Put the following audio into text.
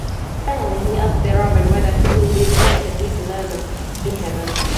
Finally, he asks the raven whether he will be reunited with Lenore in Heaven.